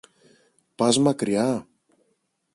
Πας μακριά;